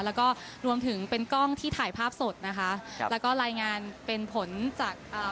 แล้วก็รวมถึงเป็นกล้องที่ถ่ายภาพสดนะคะครับแล้วก็รายงานเป็นผลจากอ่า